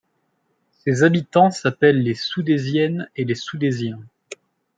Ses habitants s'appellent les Soudaysiennes et les Soudaysiens.